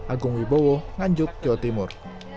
agung wibowo nganjuk jawa timur